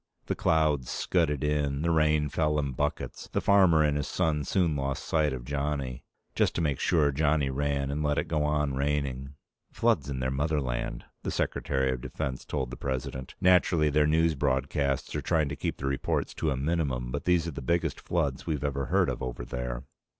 The clouds scudded in. The rain fell in buckets. The farmer and his son soon lost sight of Johnny. Just to make sure, Johnny ran and let it go on raining. "Floods in their motherland," the Secretary of Defense told the President. "Naturally, their news broadcasts are trying to keep the reports to a minimum, but these are the biggest floods we've ever heard of over there."